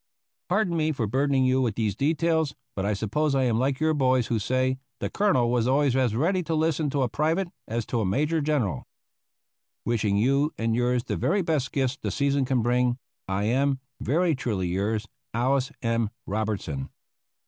"Pardon me for burdening you with these details, but I suppose I am like your boys, who say, 'The Colonel was always as ready to listen to a private as to a major general.' "Wishing you and yours the very best gifts the season can bring, I am, "Very truly yours, "ALICE M. ROBERTSON."